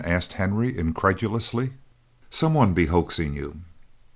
asked Henry, incredulously. "Some one be hoaxing you."